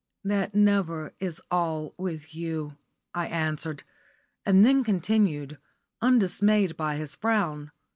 "That never is all with you," I answered, and then continued, undismayed by his frown.